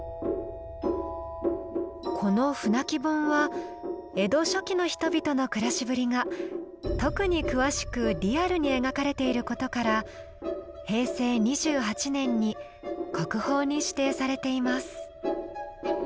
この「舟木本」は江戸初期の人々の暮らしぶりが特に詳しくリアルに描かれていることから平成２８年に国宝に指定されています。